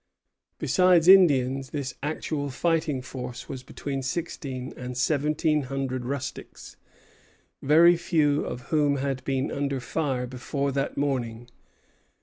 Besides Indians, this actual fighting force was between sixteen and seventeen hundred rustics, very few of whom had been under fire before that morning.